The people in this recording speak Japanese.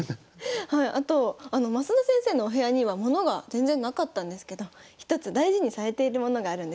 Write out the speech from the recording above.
あと増田先生のお部屋には物が全然無かったんですけど１つ大事にされている物があるんですよね。